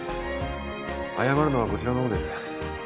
謝るのはこちらの方です。